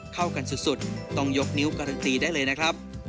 เข้ากันสุดต้องยกนิ้วการันตีได้เลยนะครับ